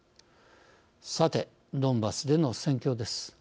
さて、ドンバスでの戦況です。